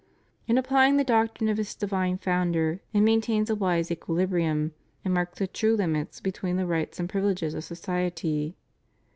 In apply ing the doctrine of its divine Founder, it maintains a wise equilibrium and marks the true limits between the rights and privileges of society.